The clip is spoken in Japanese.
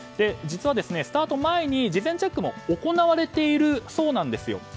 実はスタート前に事前チェックも行われているそうなんですよ。